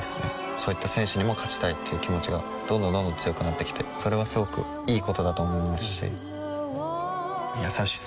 そういった選手にも勝ちたいっていう気持ちがどんどんどんどん強くなってきてそれはすごくいいことだと思いますし優しさとは？